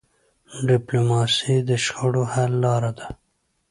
ډيپلوماسي د شخړو حل لاره ده.